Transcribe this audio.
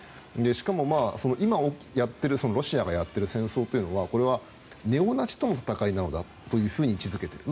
しかも今ロシアがやっている戦争というのはこれは、ネオナチとの戦いだと位置づけている。